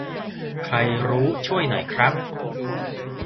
ใครรู้ช่วยหน่อยครับ